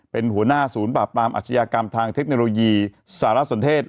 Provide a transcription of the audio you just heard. เป็นหัวหน้าศูนย์ปราบปรามอาชญากรรมทางเทคโนโลยีสารสนเทศ